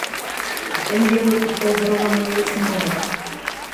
— Тӹнь, Верук, иктӓ здорова млоецӹм моат.